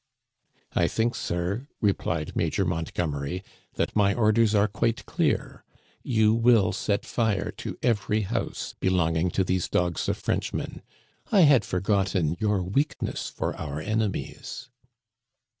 " I think, sir," replied Major Montgomery, " that my orders are quite clear. You will set fire to every house belonging to these dogs of Frenchmen. I had forgotten your weakness for our enemies."